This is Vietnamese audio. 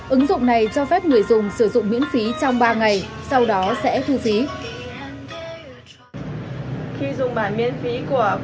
ứng dụng này cho phép người dùng sử dụng miễn phí trong ba ngày sau đó sẽ thu phí